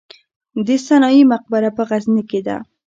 د سنايي مقبره په غزني کې ده